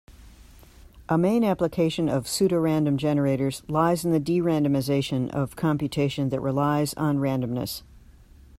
A main application of pseudorandom generators lies in the de-randomization of computation that relies on randomness.